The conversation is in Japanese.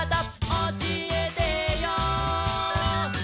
「おしえてよ」